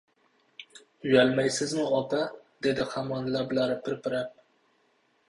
— Uyalmaysizmi, opa! — dedi hamon lablari pir-pirab.